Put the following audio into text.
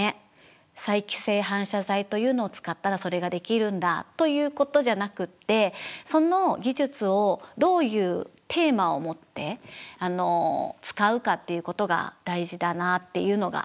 再帰性反射材というのを使ったらそれができるんだということじゃなくてその技術をどういうテーマを持って使うかっていうことが大事だなっていうのがあって。